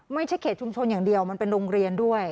ไม่ใช่เขตชุมชนอย่างเดียวมันเป็นโรงเรียนด้วย